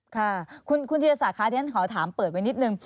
ค่ะคุณธิรษัทคราวนี้ขอถามเปิดไว้นิดหนึ่ง